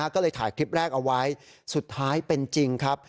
ก็เลยถ่ายคลิปแรกเอาไว้สุดท้ายเป็นจริงครับ